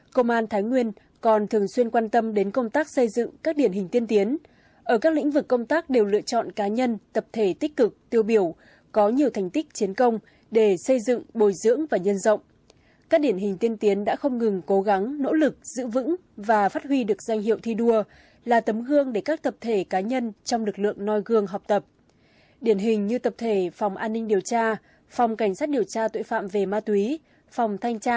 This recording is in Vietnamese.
công an thái nguyên đã xây dựng nhiều mô hình hình thức thi đua phù hợp với mục tiêu xây dựng lực lượng vững vẻ chính trị giỏi về chuyên môn mưu trí dũng cảm vì nước quen thân vì nước quen thân vì nước quen thân vì nước quen thân